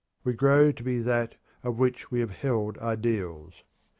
We grow to be that of which we have held ideals.